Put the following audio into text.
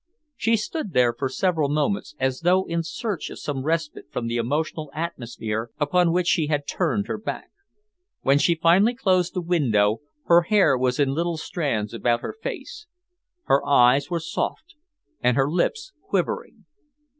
She stood there for several moments, as though in search of some respite from the emotional atmosphere upon which she had turned her back. When she finally closed the window, her hair was in little strands about her face. Her eyes were soft and her lips quivering.